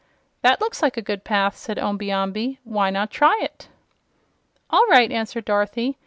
"That looks like a good path," said Omby Amby. "Why not try it?" "All right," answered Dorothy.